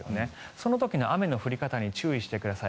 その時の雨の降り方に注意してください。